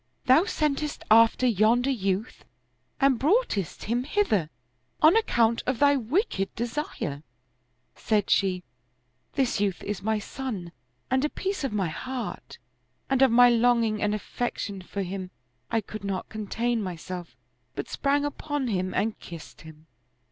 Thou sentest after yonder youth and broughtest him hither, on account of thy wicked desire." Said she, " This youth is my son and a piece of my heart; and of my longing and affection for him, I could not contain myself, but sprang upon him and kissed him."